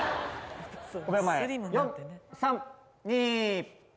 ５秒前、４、３、２。